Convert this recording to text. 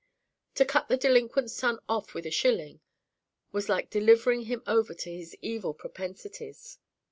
To cut the delinquent son off with a shilling, was like delivering him over to his evil propensities.